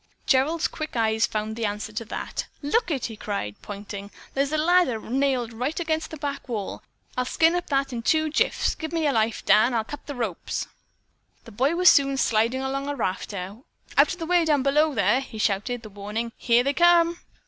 Gerald's quick eyes found the answer to that. "Look it!" he cried, pointing. "There's a ladder nailed right against the back wall. I'll skin up that in two jiffs. Give me your knife, Dan. I'll cut the ropes." The boy was soon sliding along a rafter. "Out of the way down below there!" he shouted the warning. "Here they come!"